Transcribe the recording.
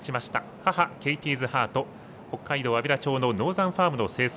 母、ケイティーズハート北海道安平町のノーザンファームの生産。